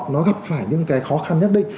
nó gặp phải những cái khó khăn nhất định